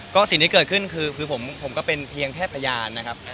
ก็สิ่งที่เกิดขึ้นคือผมก็เป็นเพียงแค่พยานนะครับ